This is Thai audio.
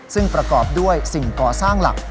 ซึ่งประกอบด้วยสิ่งก่อสร้างหลัก